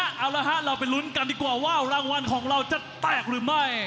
เอาละฮะเราไปลุ้นกันดีกว่าว่ารางวัลของเราจะแตกหรือไม่